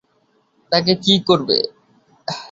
তাকে কী করবে?